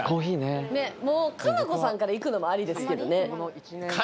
もう佳菜子さんからいくのもありですけどね。